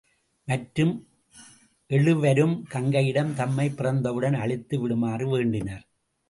மற்றும் எழுவரும் கங்கையிடம் தம்மைப் பிறந்தவுடன் அழித்து விடுமாறு வேண்டினர்.